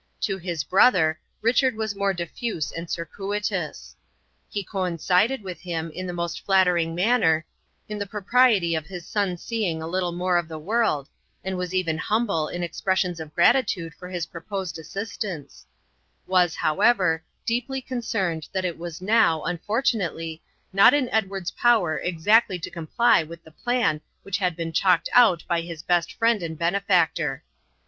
To his brother, Richard was more diffuse and circuitous. He coincided with him, in the most flattering manner, in the propriety of his son's seeing a little more of the world, and was even humble in expressions of gratitude for his proposed assistance; was, however, deeply concerned that it was now, unfortunately, not in Edward's power exactly to comply with the plan which had been chalked out by his best friend and benefactor.